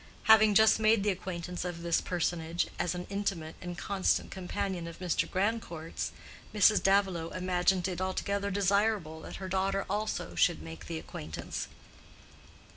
Having just made the acquaintance of this personage, as an intimate and constant companion of Mr. Grandcourt's, Mrs. Davilow imagined it altogether desirable that her daughter also should make the acquaintance.